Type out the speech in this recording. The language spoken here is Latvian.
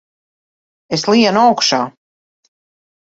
Es lienu augšā!